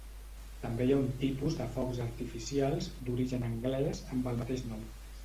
També hi ha un tipus de focs artificials, d'origen anglès, amb el mateix nom.